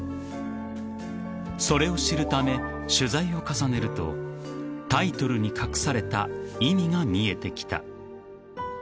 ［それを知るため取材を重ねるとタイトルに隠された意味が見えてきた］